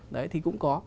đấy thì cũng có